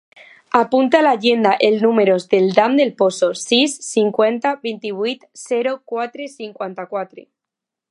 Apunta a l'agenda el número del Dan Del Pozo: sis, cinquanta, vint-i-vuit, zero, quatre, cinquanta-quatre.